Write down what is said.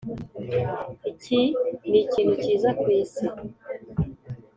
iki nikintu cyiza kwisi.